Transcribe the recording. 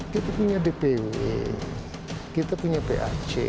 kita punya bpw kita punya pa